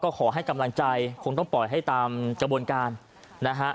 ขอให้กำลังใจคงต้องปล่อยให้ตามกระบวนการนะฮะ